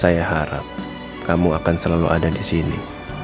saya harap kamu akan selalu ada di sini